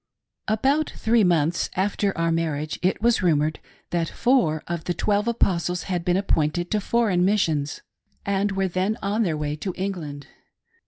ABOUT three months after our marriage it was rumored that four of the Twelve Apostles had been appointed to foreign missions, and were then on their way to England.